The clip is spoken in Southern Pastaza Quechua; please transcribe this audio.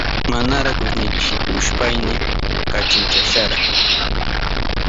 Manara kushnichihushpayni kachinchashara.